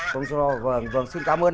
con chó lò vâng vâng xin cảm ơn anh